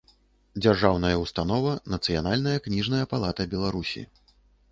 Дзяржаўная ўстанова «Нацыянальная кнiжная палата Беларусi»